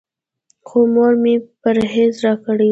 خو مور مې پرهېز راکړی و.